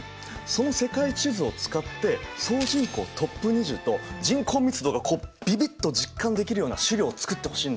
その世界地図を使って総人口トップ２０と人口密度がこうビビッと実感できるような資料を作ってほしいんだよ。